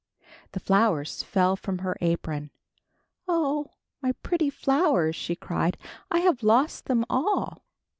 The flowers fell from her apron. "Oh! my pretty flowers," she cried, "I have lost them all."